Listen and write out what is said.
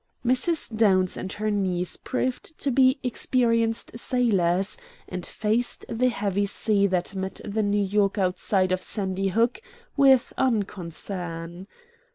Mrs. Downs and her niece proved to be experienced sailors, and faced the heavy sea that met the New York outside of Sandy Hook with unconcern.